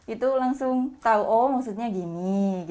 itu langsung tahu oh maksudnya gini